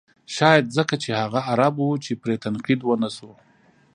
شاید ځکه چې هغه عرب و چې پرې تنقید و نه شو.